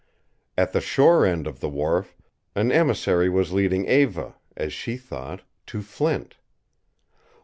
At the shore end of the wharf an emissary was leading Eva, as she thought, to Flint.